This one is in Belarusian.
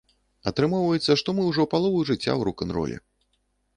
Атрымоўваецца, што мы ўжо палову жыцця ў рок-н-роле!